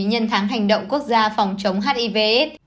nhân tháng hành động quốc gia phòng chống hiv aids